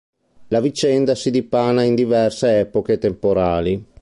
La vicenda si dipana in diverse epoche temporali.